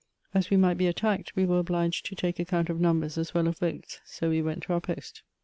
As we might be attacked, we w§re obliged to take account of numbers as well as of votes ; so we went to our post.